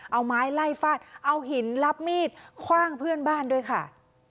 เอาไม้ไล่ฟาดเอาหินรับมีดคว่างเพื่อนบ้านด้วยค่ะ